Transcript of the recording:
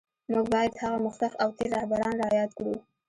موږ باید هغه مخکښ او تېر رهبران را یاد کړو